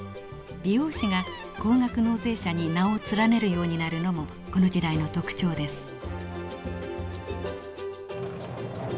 美容師が高額納税者に名を連ねるようになるのもこの時代の特徴です。